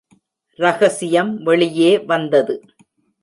ரகசியம் வெளியே வந்தது.